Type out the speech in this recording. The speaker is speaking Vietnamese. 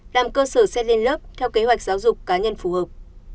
làm cơ sở xe lên lớp theo kế hoạch giáo dục cá nhân phù hợp